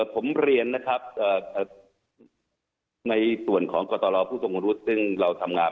ผมเรียนนะครับในส่วนของกตรผู้ทรงวุฒิซึ่งเราทำงาน